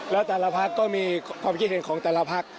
แล้วแต่ละพักก็มีความคิดเห็นของแต่ละพัก